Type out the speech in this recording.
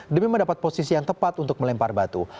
demi mendapat posisi yang tepat untuk melempar batu